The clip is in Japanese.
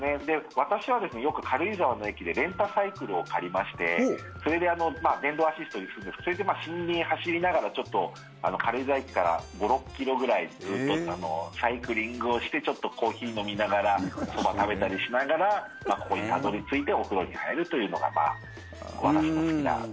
私はよく軽井沢の駅でレンタサイクルを借りまして電動アシストにするんですけどそれで森林を走りながらちょっと軽井沢駅から５６ｋｍぐらいずっとサイクリングをしてちょっとコーヒー飲みながらとか食べたりしながらここにたどり着いてお風呂に入るというのが私の好きなスタイル。